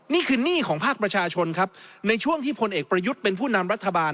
นี่คือหนี้ของภาคประชาชนครับในช่วงที่พลเอกประยุทธ์เป็นผู้นำรัฐบาล